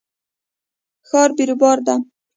ښار بیروبار ده